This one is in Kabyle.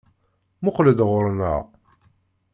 Muqqel-d ɣuṛ-nneɣ!